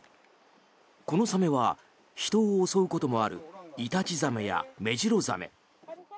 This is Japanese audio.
このサメは人を襲うこともあるイタチザメやメジロザメ。